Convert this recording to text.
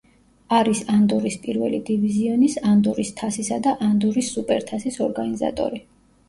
არის ანდორის პირველი დივიზიონის, ანდორის თასისა და ანდორის სუპერთასის ორგანიზატორი.